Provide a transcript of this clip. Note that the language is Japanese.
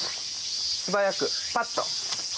素早くパッと。